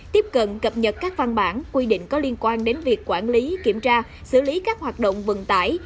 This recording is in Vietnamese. tiếp cận cập nhật các văn bản quy định có liên quan đến việc quản lý kiểm tra xử lý các hoạt động vận tải